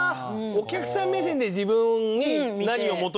お客さん目線で自分に何を求めるか。